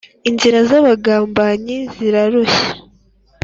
inzira z’abagambanyi zirarushya